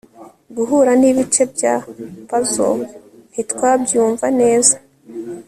guhura nibice bya puzzle ntitwabyumva neza